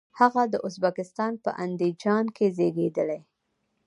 هغه د ازبکستان په اندیجان کې زیږیدلی.